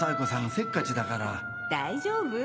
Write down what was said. せっかちだから大丈夫？